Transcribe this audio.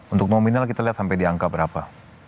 untuk nominal kita lihat sampai di angka berapa